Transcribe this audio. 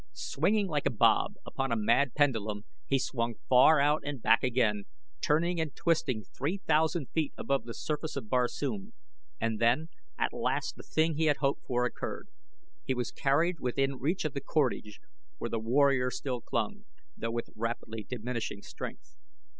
Swinging like a bob upon a mad pendulum he swung far out and back again, turning and twisting three thousand feet above the surface of Barsoom, and then, at last, the thing he had hoped for occurred. He was carried within reach of the cordage where the warrior still clung, though with rapidly diminishing strength.